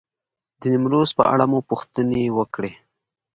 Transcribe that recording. د نیمروز په اړه مو پوښتنې وکړې.